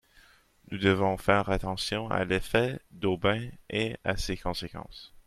Nous devons faire attention à l’effet d’aubaine et à ses conséquences.